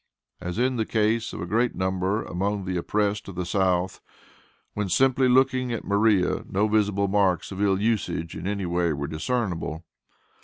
As in the case of a great number among the oppressed of the South, when simply looking at Maria, no visible marks of ill usage in any way were discernible.